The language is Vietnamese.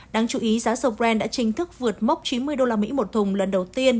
đáng chú ý giá dầu brent đã chính thức vượt mốc chín mươi usd một thùng lần đầu tiên